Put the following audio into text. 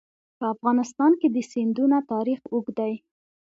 په افغانستان کې د سیندونه تاریخ اوږد دی.